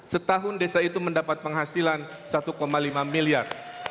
setahun desa itu mendapat penghasilan satu lima miliar